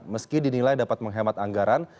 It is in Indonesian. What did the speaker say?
meski dinilai dapat menghemat anggaran